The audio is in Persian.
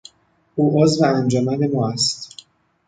او عضو انجمن ما است.